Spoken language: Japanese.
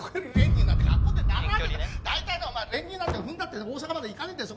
大体なお前練乳なんて踏んだって大阪まで行かねえんだよ。